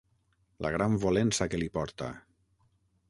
La gran volença que li porta.